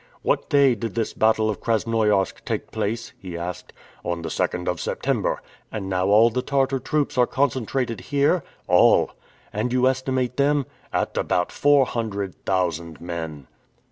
"What day did this battle of Krasnoiarsk take place?" he asked. "On the 2d of September." "And now all the Tartar troops are concentrated here?" "All." "And you estimate them?" "At about four hundred thousand men."